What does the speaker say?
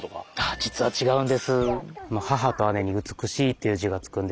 あ実は違うんです。